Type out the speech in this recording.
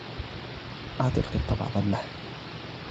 أعطِ القطّ بعض اللّحم.